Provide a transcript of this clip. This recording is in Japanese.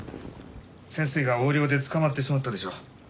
先生が横領で捕まってしまったでしょ。